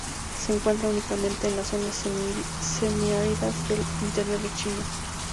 Se encuentra únicamente en las zonas semiáridas del interior de China.